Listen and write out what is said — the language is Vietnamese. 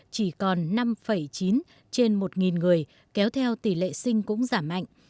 chỉ còn năm chín trên một người kéo theo tỷ lệ sinh cũng giảm mạnh